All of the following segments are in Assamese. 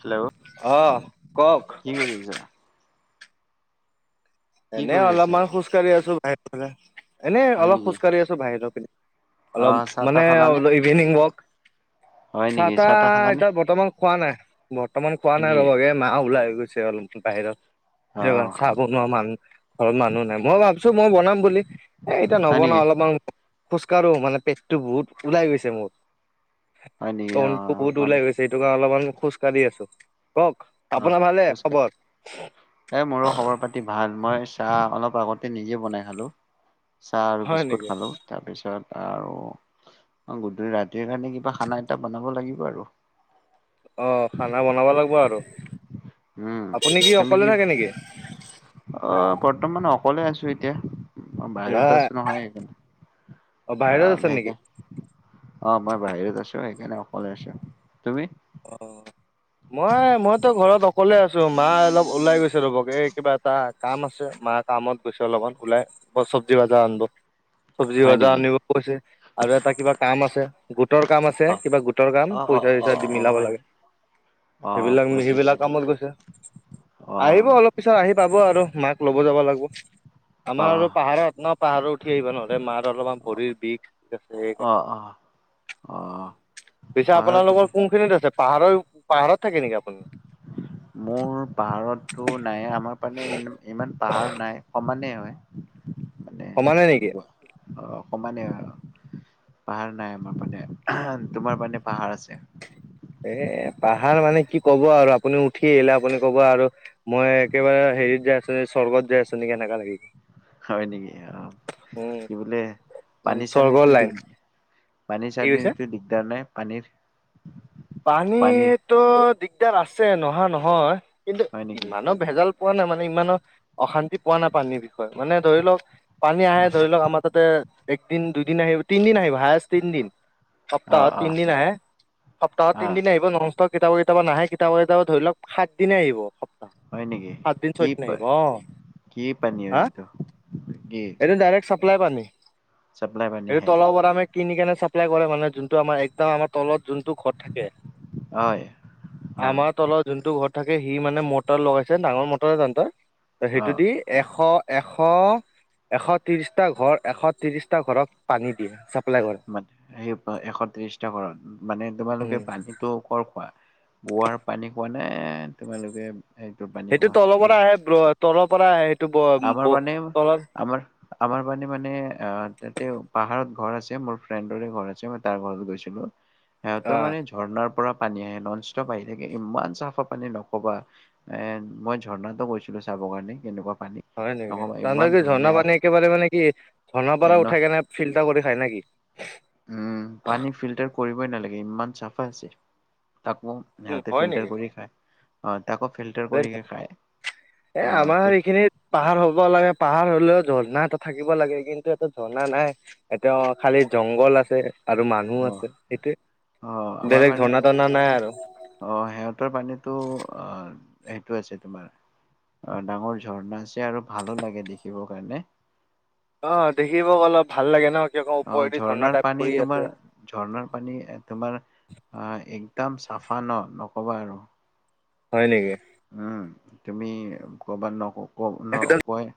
হেল্ল'। অ', কওক। কি কৰিছা? কি এনে কৰি আছা? অলপমান খোজকাঢ়ি আছো বাহিৰৰ ফালে। এনেই হয় অলপ নেকি? খোজ কঢ়ি আছো বাহিৰৰ পিনে। অলপ অ' চাহ তাহ মানে খালানে? মানে ইভিনিং ৱাক। হয় চাহ নেকি? তাহ খালানে? এতিয়া বৰ্তমান খোৱা নাই বৰ্তমান খোৱা হয় নাই নেকি? ৰ'ব এই মা ওলাই গৈছে অলপ বাহিৰত। অ' [unintelligible] চাব ম মান ঘৰত মানুহ নাই, মই ভাবছো মই বনাম বুলি এ, এতিয়া হয় নবনাও নেকি? অলপমান খোজকাঢ়ো মানে পেটটো বহুত ওলাই গৈছে মোৰ। হয় নেকি? [unintelligible] অ' বহুত মানে ওলাই গৈছে সেইটো কাৰণে অলপমান খোজ কঢ়ি আছোঁ। কওক? অ' আপোনাৰ ভালনে খোজকাঢ় খবৰ? এই ভাত মই চাহ অলপ আগতে নিজে বনাই খালোঁ, চাহ আৰু হয় বিস্কুট নেকি? খালোঁ। তাৰপিছত আৰু গধূলি ৰাতিৰ কাৰণে কিবা খানা আইতা বনাব লাগিব আৰু। অ খানা বনাব লাগিব আৰু। উম, আপুনি কি তুমি অকলে থাকে নেকি? অ বৰ্তমান অকলে আছো এতিয়া। মই বাহিৰত নাই আছো নহয় সেইকাৰণে অ বাহিৰত আছা নেকি? অ [unintelligible] অ মই বাহিৰত আছো সেইকাৰণে অকলে আছো। তুমি? অ। মই মইতো ঘৰত অকলে আছো, মা অলপ ওলাই গৈছে ৰ'ব এই কিবা এটা কাম আছে মা কামত গৈছে অলপমান ওলাই চব্জি বজাৰ আনিব। চব্জি হয় বজাৰ নেকি? আনিব গৈছে আৰু এটা কিবা কাম আছে। গোটৰ কাম আছে অ কিবা গোটৰ কাম, অ অ অ পইচা-চইচা অ মিলাব হয় লাগে নি? অ সেইবিলাক বুজিছো সেইবিলাক বুজিছো। কামত গৈছে, অ আহিব অলপ পিছ [unintelligible] আহি পাব আৰু মাক ল'ব যাব লাগিব। অ আমাৰ আৰু পাহাৰত ন পাহাৰো উঠি আহিব নোৱাৰে, মাৰ অলপমান ভৰিৰ বিষ আছে। অ অ। অ পিছে পাহাৰটোতে আপোনালোকৰ কোনখিনিত আছে পাহাৰৰ পাহাৰত থাকে নেকি আপুনি? মোৰ পাহাৰতো নাই আমাৰ মানে ই ইমান পাহাৰ নাই সমানেই হয়। মানে সমানেই নেকি? অ সমানে পাহাৰ নাই আমাৰ মানে, তোমাৰ মানে পাহাৰ আছে? এ পাহাৰ মানে কি ক'ব আৰু আপুনি উঠি আহিলে আপুনি ক'ব আৰু মই একেবাৰে হেৰিত যাই আছো নেকি, স্বৰ্গত যাই আছো নেকি এনেকা লাগে। হয় নেকি অ, কি বোলে একদম স্বৰ্গৰ পানী-চানীটো লাইন দিগ কি কৈছে পানীৰ-চানীৰতো দিগদাৰ নাই? পানীৰ পানীৰ পানীৰতো দিগদাৰ আছে নোহোৱা নহয় কিন্তু হয় নেকি ইমানো ভেজাল পোৱা নাই মানে ইমানো, অশান্তি পোৱা নাই পানীৰ বিষয়ে। মানে ধৰি লওক পানী অ আহে ধৰি লওক আমাৰ তাতে একদিন দুদিন আহিব তিনদিন আহিব হায়েষ্ট তিনদিন। অ সপ্তাহ অ তিন দিন আহে, সপ্তাহত অ তিনদিনে আহিব নোনষ্টপ কিতাবা কিতাবা নাহে কিতাবা কিতাবা ধৰি লওক সাত দিনে আহিব। হয় নেকি? সাত দিন কি ছয় দিন পই, আহিব অ কি পানী আৰু হা এইটো। এইটো ডাইৰেক্ট চাপ্লাই পানী, চাপ্লাই পানী এইটো হে তলো পৰা আমি কিনি কেনে চাপ্লাই কৰে মানে যোনটো আমাৰ একদম আমাৰ তলত যোনটো ঘট থাকে হয় অ আমাৰ তলত যোনটো ঘৰত থাকে সি মানে মটৰ লগাইছে ডাঙৰ মটৰ জাণ্টৰ তো অ সেইটো দি এশ এশ এশ ত্ৰিশটা ঘৰ, এশ ত্ৰিশটা ঘৰত পানী দিয়ে। চাপ্লাই কৰে মানে সেই এশ ত্ৰিশটা ঘৰত, মানে তোমালোকে উম পানী তো কৰ খোৱা? কোৱাৰ পানী খোৱা নে তোমালোকে পানী সেইটো খোৱা তলৰ পৰা আহে, ব্ৰ তলৰ পৰা আহে। সেইটো ব আমাৰ ব মানে তলত আমাৰ আমাৰ মানে মানে অ তাতে পাহাৰত ঘৰ আছে মোৰ ফ্ৰেণ্ডৰে ঘৰ আছে মই তাৰ ঘৰত গৈছিলো। সিহঁতৰ অ মানে ঝৰ্ণাৰ পৰা পানী আহে, নন ষ্টপ আহি থাকে ইমান চাফা পানী নকবা। এ মই ঝৰ্ণাতো গৈছিলো চাব কাৰণে কেনেকুৱা পানী। হয় নেকি? নকবা তহঁতে ইমান যি ঝৰ্না ধুনীয়া পানী একেবাৰে মানে কি ঝৰ্ণা এ পৰা ন উঠাই কেনে ফিল্টাৰ কৰি খাই নেকি? উম উম পানী কৰিবয়ে নালাগে ইমান চাফা তাকো, সিহঁতে হয় ফিল্টাৰ নেকি কৰি খায়। অ', তাকো ফিল্টাৰ কৰিকে খায়, এ আমাৰ অ'। এইখিনিত পাহাৰ হ'ব লাগে, পাহাৰ হ'লেও ঝৰ্ণা এটা থাকিব লাগে কিন্তু এটো ঝৰ্ণা নাই। এতিয়া অ', খালি জংঘল আছে। আৰু মানুহ অ' আছে সেইটোৱে, অ' আমাৰ বেলেগ ঝৰ্ণা পানীতো তৰনা নাই আৰু। অ', সিহঁতৰ পানীতো আহ সেইটোৱে আছে তোমাৰ অ', ডাঙৰ ঝৰ্ণা আছে আৰু ভালো লাগে দেখিব কাৰণে। অ', দেখিব অলপ ভাল লাগে ন কি আকৌ অ' ওপৰে দি ঝৰ্ণা ঝৰ্ণাৰ টাইপ পানী পৰি তোমাৰ আছে। ঝৰ্ণাৰ পানী এ তোমাৰ আহ একদম চাফা ন নক'বা আৰু। হয় নেকি। উম তুমি ক'বাত নক অ', ন একদম কুঁৱা,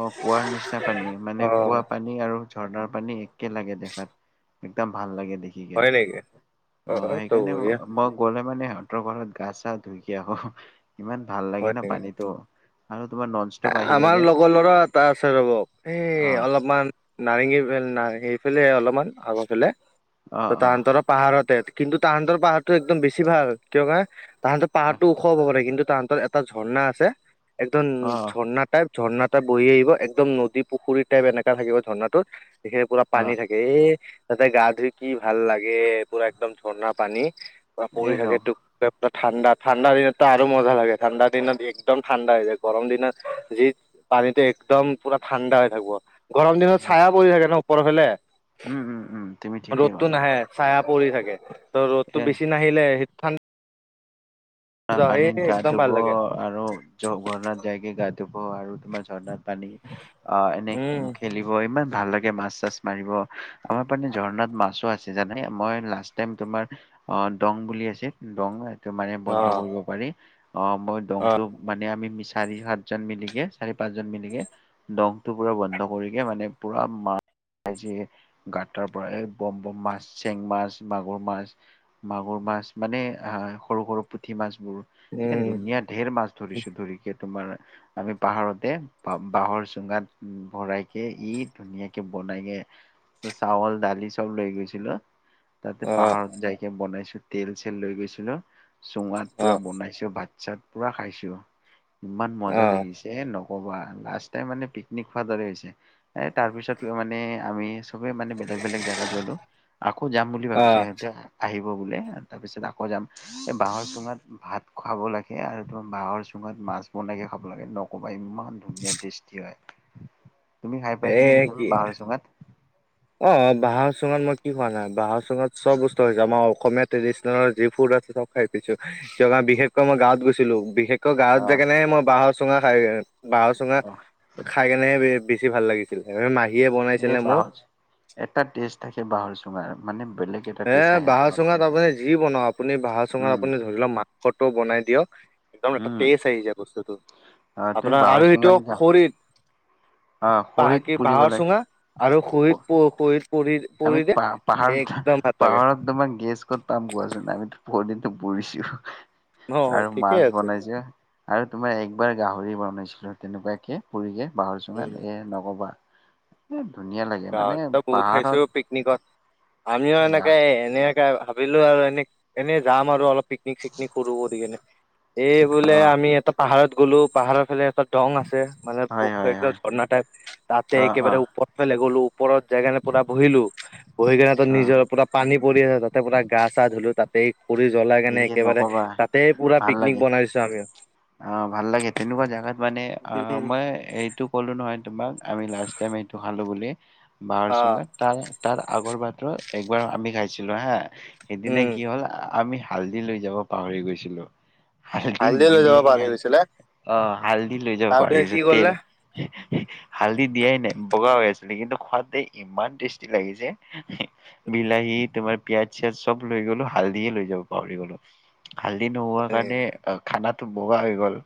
অ', কুঁৱাৰ নিচিনা পানী মানে অ কুঁৱা পানী আৰু ঝৰ্ণাৰ পানী একে লাগে দেখাত, একদম ভাল লাগে দেখি। ঠিকে, হয় নেকি অ ত সেইকাৰণে বঢ়িয়া মই গ'লে মানে সিহঁতৰ ঘৰত গা চা ধুইকে আহো। ইমান ভাল লাগে হয় ন নেকি পানীটো আৰু তোমাৰ ন আমাৰ লগৰ ল'ৰা এটা আছে ৰ'ব, এই অ অলপমান। নাৰেঙগী সেইফেলে অলপমান আগৰফালে অ ত অ তাহাঁতক পাহাৰতে কিন্তু তাহাঁতৰ পাহাৰটো একদম বেছি ভাল কিয় কে তাহাঁতৰ পাহাৰটো ওখ হ'ব পাৰে কিন্তু তাহাঁতৰ এটা ঝৰ্ণা একদম অ ঝৰ্ণা টাইপ, ঝৰ্ণাটা বৈ আহিব একদম নদী, পুখুৰী টাইপ এনেকা থাকিব ঝৰ্ণাতোৰ। হে পুৰা অ পানী থাকে। এ তাতে গা ধুই কি ভাল লাগে পুৰা একদম ঝৰ্ণা পানী। পুৰা পৰি এ ন থাকে ঠাণ্ডা, ঠাণ্ডা দিনতো আৰু মজা লাগে ঠাণ্ডা দিনত একদম ঠাণ্ডা হৈ যায়, গৰম দিনত যি পানীতো একদম পুৰা ঠাণ্ডা হৈ থাকিব, গৰম দিনত চায়া পৰি থাকে ন ওপৰৰ ফালে। উম উম উম, তুমি ঠিকেই কলা। চায়া পৰি থাকে তো এ ৰ'দটো বেছি নাহিলে সেই ঠাণ্ডা এ পানীত গা একদম ধুব ভাল লাগে আৰু জগনত যাইকে গা ধুব আৰু তোমাৰ ঝৰ্ণা পানী অ এনে উম খেলিব ইমান ভাল লাগে। এনেকে মাছ চাছ মাৰিব আমাৰ পিনে ঝৰ্ণাত মাছো আছে জানে মই লাষ্ট টাইম তোমাৰ অ দং বুলি আছে দং সেইটো মানে অ বন্ধ কৰিব পাৰি অ মই অ দংটো মানে আমি চাৰি সাতজন মিলিকে চাৰি পাঁচজন মিলিকে দংটো পুৰা বন্ধ কৰিকে মানে পুৰা মা ছ পাইছো গাতৰ পৰা এই বম বম মাছ চেং মাছ মাগুৰ মাছ মাগুৰ মাছ মানে আহ সৰু সৰু পুঠি মাছ বোৰ এ উম ধুনীয়া ধেৰ মছ ধৰিছো ধৰি কে তোমাৰ আমি পাহাৰতে বাঁহৰ চুঙাত ভৰাই কে ই ধুনীয়াকে বনাইকে ত চাউল দালি চব লৈ গৈছিলো। তাতে অ পাহাৰত যাইকে বনাইছো তেল চেল লৈ গৈছিলো চুঙাত অ পুৰা বনাই ছো ভাত চাত পুৰা খাইছো ইমান অ মজা লাগিছে। এই নকবা লাষ্টে মানে পিকনিক খোৱাৰ দৰে হৈছে, এ তাৰপিছত মানে আমি চবে মানে বেলেগ বেলেগ জাগাত গ'লো আকৌ যাম বুলি অ ভাবিছো সিহঁতে আহিব বোলে তাৰপিছত আকৌ যাম। এই বাঁহৰ চুঙাত ভাত খাব লাগে আৰু ত বাঁহৰ চুঙাত মাছ বনাইকে খাব লাগে ন? কবা ইমান ধুনীয়া টেষ্টি হয়, তুমি খাই পাইছা এ নে কেতিয়াবা কি বাঁহৰ চুঙাত? অ অ বাঁহৰ চুঙাত মই কি খোৱা নাই, বাঁহৰ চুঙাত চব বস্তু খাইছো আমাৰ অসমীয়া ট্ৰেডিচনেল যি ফুড আছে চব খাই পিছো কাৰণ বিশেষকৈ মই গাঁৱত গৈছিলো বিশেষ ক গাঁৱত যায় অহ কেনেহে মই বাঁহৰ চুঙা খাই, বাঁহৰ চুঙা অহ খাই কেনেহে বে বেছি ভাল লাগিছ এ মাহীয়ে ব এই বাহৰ এটা টেষ্ট থাকে, বাঁহৰ চুঙাৰ মানে বেলেগ এটা এ টেষ্ট আহে বাহঁৰ চুঙাত আপুনি যি বনাক আপুনি বাঁহাৰ চুঙাত উম আপুনি ধৰি লওক মাংসটো বনাই দিয়ক। একদম এটা উম টেষ্ট আহিছে বস্তুটো, অ তুমি আপোনাৰ বাঁহৰ আৰু যিটো চুঙাত খৰিত অ খৰিত বাকীৰ পুৰিব বাঁহৰ লাগে চুঙা আৰু খৰিত প পুৰিচ পুৰি আমি পুৰিলে পা এক পাহাৰত পাহাৰত তোমাৰ গেছ ক'ত পাম কোৱাচোন আমিতো বহুত দিনো পৰিছো। অ আৰু ঠিকে মাছ আছে বনাইছে। আৰু তোমাৰ একবাৰ গাঁহৰি বনাইছিলো তেনেকুৱাকে পুৰিকে বাঁহৰ উম চুঙাত এ নকবা এ ধুনীয়াল গাঁৱততো বহুত খাইছো পিকনিকত আমিও গা এনেকে এনেকে ভাবিলো আৰু এনে এনে যাম আৰু অলপ পিকনিক - চিকনিক কৰো বুলি কেনে এই অ বোলে আমি এটা পাহাৰত গ'লো পাহাৰৰ ফালে এটা দং আছে মানে ব হয় হয় একটা হয় ঝৰ্ণা টাইপ তাতে অ অ কেইবাটাও ওপৰফালে গ'লো। ওপৰত যাই কেনে পুৰা বহিলো, বহি কেনে তাত অ নিজৰ পুৰা পানী পৰি আছে তাতে পুৰা গা চা ধুলো তাত তেই খৰী জ্বলাই কেনে এই একেবাৰে নকবা তাতে পুৰা ভাল পিকনিক লাগে বনাই দিছো আমিও। অ ভাল লাগে তেনেকুৱা জাগাত মানে অ উম মই এই টো ক'লো নহয় তোমাক আমি লাষ্ট টাইম এইটো খালো বুলি বাঁহৰ অ চুঙাত তাৰ তাৰ আগৰ বাৰতোৰ একবাৰ আমি খাইছিলো হা সেইদিনা উম কি হ'ল আমি হালধি লৈ যাব পাহৰি গৈছিলো, হালধি লৈ নিদি যাব পাহৰি কিনাই, গৈছিলে অ হালধি লৈ যাব পাহৰি তাৰপিছত গৈছো কি তেল। কৰিলে হালধি দিয়াই নাই, বগা হৈ আছিলে কিন্তু খোৱাতে ইমান টেষ্টি লাগি যে। বিলাহী তোমাৰ পিয়াজ - চিয়াজ চব লৈ গলো, হালধিয়ে লৈ যাব পাহৰি গলো। হালধি নোহোৱা কাৰণে অ খানাটো বগা হৈ গল।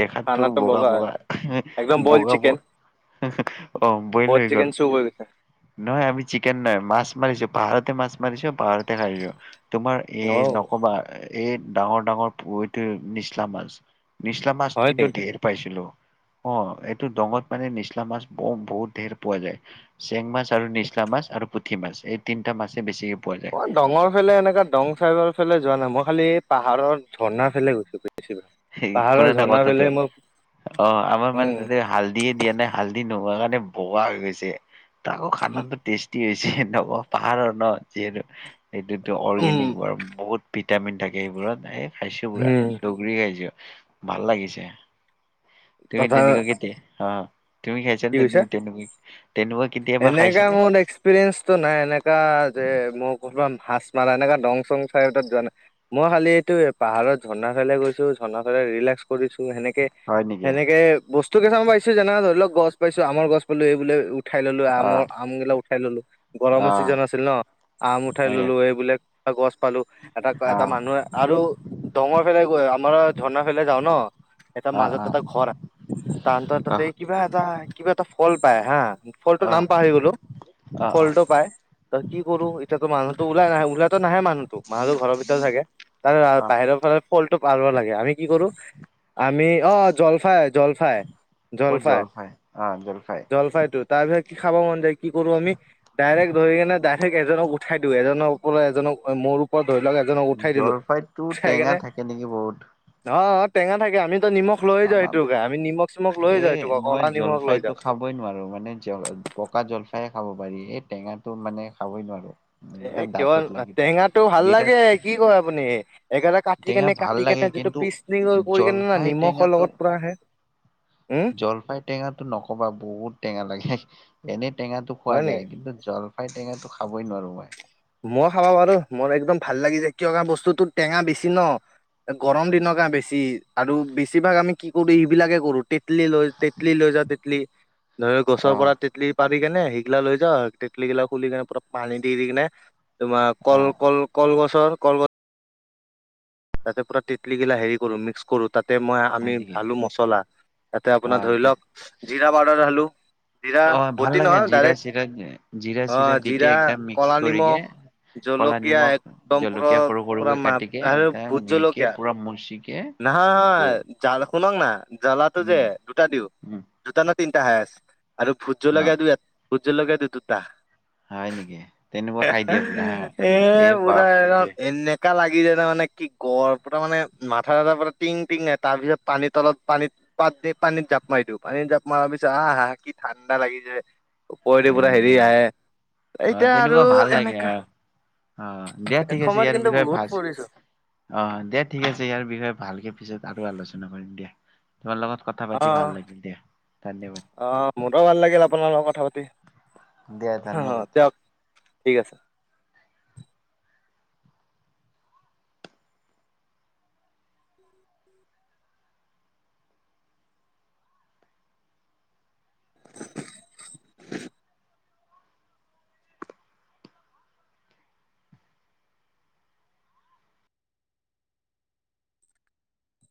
দেখাতো খানাটো বগা হয় বগা এহে একদম বইল বগা চিকেন বগ অ বইল হৈ চিকেন গ'ল। চুপ হৈ গৈছে নহয় আমি চিকেন নাই, মাছ মাৰিছো পাহাৰতে মাছ মাৰিছো, পাহাৰতে খাইছো। তোমাৰ এই অ নকবা এই ডাঙৰ - ডাঙৰ পইটো নিচলা মাছ নিছলা মাছ হয় কিন্তু নেকি ধেৰ পাইছিলো। অ এইটো দঙত মানে নিচলা মাছ ব বহুত ধেৰ পোৱা যায়। চেং মাছ আৰু নিচলা মাছ আৰু পুঠি মাছ এই তিনিটা মাছে বেছিকে পোৱা যায়। মই দঙৰ ফালে এনেকুৱা দং চাইডৰ ফালে যোৱা নাই, মই খালি এই পাহাৰৰ ঝৰ্ণাৰ ফালে গৈছো বেছিকৈ। এই শুনা এটা কথাটো, অ আমাৰ উম মানে তাতে হাল দিয়ে দিয়া নাই হালধি নোহোৱা কাৰণে বগা হৈ গৈছে, ত আকৌ খানাটো টেষ্টি হৈছে নক পাহাৰৰ ন যিহেতু এইটোতো উম অৰ্গেনিক বহুত ভিটামিন থাকে এইবোৰত এই খাইছো পুৰা, হম দগৰি খাইছো, ভাল লাগিছে। তুমি তথা তেনেকুৱাকে কি অ, তুমি খাইছা কি তে কৈছা? তেনু তেনু কি তেনেকুৱা কেতিয়াবা এনেকা খাইছানে? মোৰ নেক্স পিৰিয়েঞ্চটো নাই এনেকা যে মই কৰবা ভাছ মাৰা এনেকা ডং - চং চাইডত যোৱা না মই খালি এইটোৱে পাহাৰত ঝৰ্ণা ফালে গৈছো, ঝৰ্ণা ফালে ৰিলেক্স কৰিছো সেনেকে হয় নেকি সেনেকে বস্তু কেইটামান [unintelligible] পাইছোঁ যেনেকা ধৰি লওক গছ পাইছোঁ আমৰ গছ পুলি। [unintelligible] উঠাই ল'লো অ আমৰ আম গিলা উঠাই ল'লো অ গৰমৰ চিজন আছিল নহ আম উঠাই হয় ল'লো এই বোলে। [unintelligible] গছ পালোঁ। এটাক বা অ এটা মানুহে আৰু ডঙৰ [unintelligible] গৈ আমাৰ ঝৰ্ণাৰ ফালে যাওঁ নহ। এটা অ অ মাজত এটা ঘৰ [unintelligible] অ অ তাতে কিবা এটা কিবা এটা ফল পায় হা ফলটো নাম পাহৰি গ'লো অ অ ফলটো পাই ত' কি কৰোঁ এতিয়াতো মানুহটো ওলাই নাহে ওলাই [unintelligible] নাহে মানুহটো মানুহ ঘৰৰ ভিতৰতে থাকে তাৰে অ বাহিৰৰ ফালত ফলটো পাৰবো লাগে আমি কি কৰোঁ আমি অ' জলফাই, জলফাই। অ জলফাই, অ জলফাই জলফাইটো তাৰপিছত কি খাব মন যায় কি কৰোঁ আমি। ডাইৰেক্ট ধৰি কিনে ডাইৰেক্ট এজনক উঠাই দিওঁ এজনৰ ওপৰত এজনক মোৰ ওপৰত ধৰি লওক এক জলফাইটো টেঙা থাকে নেকি বহুত? অ', অ' টেঙা থাকে আমিতো নিমখ লৈ যাওঁ তামাম [unintelligible] আমি নিমখ চিমখ লৈ এ যাওঁ [unintelligible] মই কলা নিমখ লৈ জলফাইটো যাওঁ। খাবই নোৱাৰো মানে জল পকা জলফাইহে খাব পাৰি এই টেঙাটো মানে খাবই নোৱাৰো। একদম এ' কিয় দাঁতত লাগি ধৰে। টেঙাটো ভাল বিৰাট লাগে কি কয় আপুনি একেটা কা কাটি টেঙা কেনে ভাল কাটি লাগে কেনে যিটো কিন্তু [unintelligible] কৰি কেনে না জলফাই নিমখৰ টেঙাটো লগত পুৰা খাই জলফাইৰ টেঙাটো নক'বা বহুত টেঙা লাগে এনেই টেঙাটো খোৱা হয় নেকি যায় কিন্তু জল [unintelligible] টেঙাটো খাবই নোৱাৰোঁ মই। মই খাবা পাৰোঁ মোৰ একদম ভাল লাগি [unintelligible] কিয় কাৰন বস্তুটো টেঙা বেছি নহ। গৰম দিনৰ [unintelligible] বেছি আৰু বেছিভাগ আমি কি কৰোঁ এইবিলাকে কৰোঁ তে [unintelligible] লৈ তেতলি লৈ যাওঁ তেতলি ধৰ গছৰ আহ পৰা তেতলি পাৰি কেনে সেইগিলাক লৈ যাওঁ তেতলি গিলা খুলি কেনে পুৰা পানী দি কেনে তোমাৰ কল, আহ কল। কলগছৰ কল তাতে পুৰা তেতলি গিলা হেৰি কৰোঁ মিক্স কৰোঁ। তাতে মই আমি হয় নেকি ঢালোঁ মছলা তাতে অ আপোনাৰ ধৰি লওক দে- জিৰা পাউদাৰ ঢালোঁ। অ ভাল লাগে জিৰা চিৰা জিৰা অ চিৰা জিৰা দিকে একদম কলা মিক্স নিমখ কৰিকে। কলা জলকীয়া নিমখ একদম পুৰা জলকীয়া সৰু পুৰা সৰুকৈ মাপ কাটিকে একদম মিহিকে পুৰা মচিকে না বৈ জাল শুনক না জ্বলাটো যে উম, দুটা দিওঁ। উম, দুটা নে তিনিটা হাইয়েস্ট আৰু ভোট অ', জলকীয়া দিও ভোট জলকীয়া দিও দুটা। হয় নেকি? তেনেকুৱা খাই দিয়ে পুৰা হা। এ পুৰা একদম এনেক [unintelligible] [unintelligible] [unintelligible] পানীত জাপ মাৰ দিওঁ পানীত জাপ মাৰি পিছত আহ, আহ কি ঠাণ্ডা লাগি যায়। [unintelligible] হয় নেকি হেৰি আহে অ', এতিয়া আৰু তেনেকুৱা ভাল লাগে সেনেকা। অ'। অ', দিয়া ঠিক আছে এসময়ত ইয়াৰ কিন্তু বিষয়ে ভাজ বহুত পঢ়িছোঁ। অ দিয়া ঠিকে আছে ইয়াৰ বিষয়ে ভালকে পিছত আৰু আলোচনা কৰিম দিয়া তোমাৰ লগত। কথা পাতি ভাল অহ, লাগিল দিয়া ধন্যবাদ, অহ মোৰো ভাল লাগিল আপোনাৰ লগত কথা পাতি। দিয়া ধন্যবাদ। অ দিয়ক ঠিক আছে।